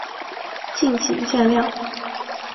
敬请见谅